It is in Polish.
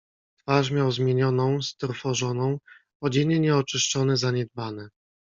"Twarz miał zmienioną, strwożoną, odzienie nieoczyszczone, zaniedbane."